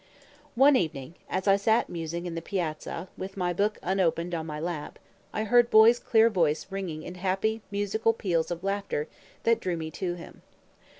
One evening, as I sat musing in the piazza, with my book unopened on my lap, I heard Boy's clear voice ringing in happy, musical peals of laughter that drew me to him.